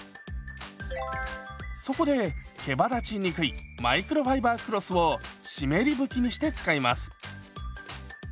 そこでけばだちにくいマイクロファイバークロスを湿り拭きにして使います。